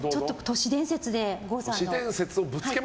都市伝説で、郷さんの。